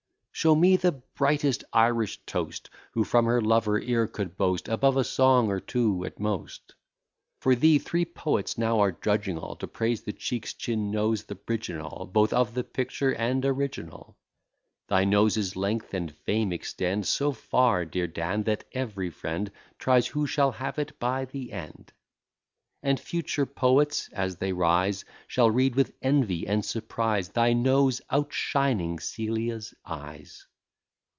Show me the brightest Irish toast, Who from her lover e'er could boast Above a song or two at most: For thee three poets now are drudging all, To praise the cheeks, chin, nose, the bridge and all, Both of the picture and original. Thy nose's length and fame extend So far, dear Dan, that every friend Tries who shall have it by the end. And future poets, as they rise, Shall read with envy and surprise Thy nose outshining Celia's eyes.